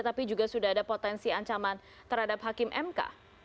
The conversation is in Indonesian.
tapi juga sudah ada potensi ancaman terhadap hakim mk